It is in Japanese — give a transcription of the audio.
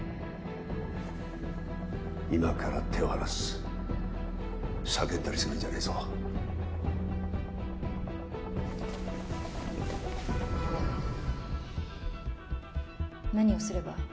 今から手を離す叫んだりするんじゃねえぞ何をすれば？